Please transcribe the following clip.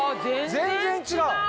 全然違う。